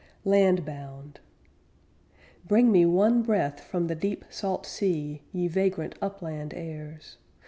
LANDBOUND Bring me one breath from the deep salt sea, Ye vagrant upland airs!